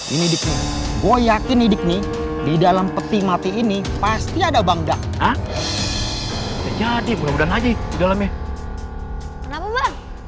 ini gue yakin nih di dalam peti mati ini pasti ada bangda jadi mudah mudahan aja di dalamnya